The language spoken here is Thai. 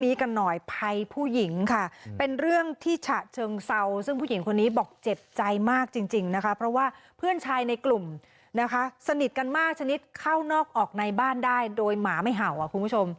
กันหน่อยภัยผู้หญิงค่ะเป็นเรื่องที่ฉะเชิงเซาซึ่งผู้หญิงคนนี้บอกเจ็บใจมากจริงจริงนะคะเพราะว่าเพื่อนชายในกลุ่มนะคะสนิทกันมากชนิดเข้านอกออกในบ้านได้โดยหมาไม่เห่าอ่ะคุณผู้ชม